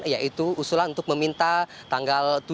yaitu usulan untuk meminta tanggal tujuh